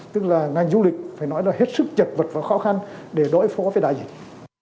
tức là ngành du lịch phải nói là hết sức chật vật và khó khăn để đối phó với đại dịch